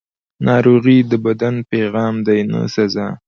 ناروغي د بدن پیغام دی، نه سزا.